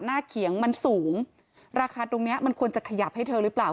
เขียงมันสูงราคาตรงเนี้ยมันควรจะขยับให้เธอหรือเปล่า